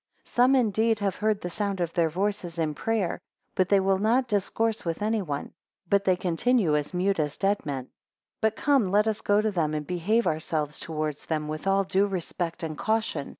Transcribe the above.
18 Some, indeed, have heard the sound of their voices in prayer, but they will not discourse with anyone, but they continue as mute as dead men. 19 But come, let us go to them, and behave ourselves towards them with all due respect and caution.